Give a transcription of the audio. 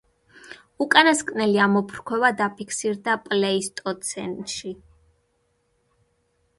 უკანასკნელი ამოფრქვევა დაფიქსირდა პლეისტოცენში.